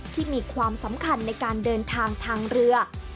มีความสำคัญในการเดินทางทางเรือ